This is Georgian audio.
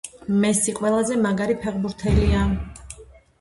მესი ყველაზე მაგარი ფეხბურთელია